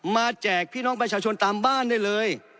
แจกพี่น้องประชาชนตามบ้านได้เลย